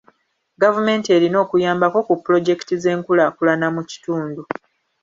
Gavumenti erina okuyambako ku pulojekiti z'enkulaakulana mu kitundu.